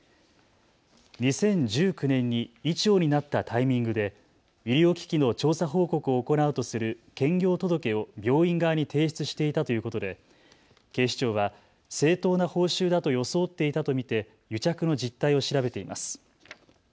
２０１９年に医長になったタイミングで医療機器の調査報告を行うとする兼業届を病院側に提出していたということで警視庁は正当な報酬だと装っていたと見て癒着の実態を調べています。